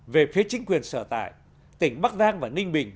về phía chính quyền sở tại tỉnh bắc giang và ninh bình